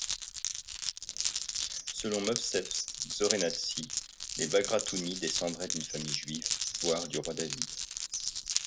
Selon Movsēs Xorenats’i, les Bagratouni descendraient d'une famille juive, voire du roi David.